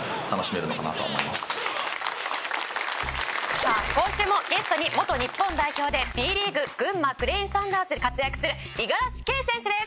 さあ今週もゲストに元日本代表でＢリーグ群馬クレインサンダーズで活躍する五十嵐圭選手です。